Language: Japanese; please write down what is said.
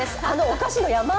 あのお菓子の山。